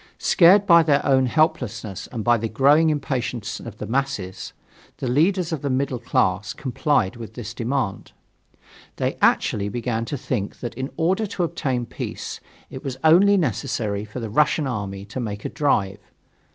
Scared by their own helplessness and by the growing impatience of the masses, the leaders of the middle class complied with this demand. They actually began to think that, in order to obtain peace, it was only necessary for the Russian army to make a drive.